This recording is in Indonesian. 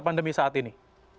pandemi saat ini